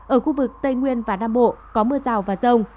ở khu vực tây nguyên và nam bộ có mưa rào và rông